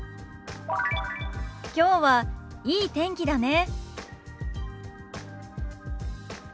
きょうはいい天気だね。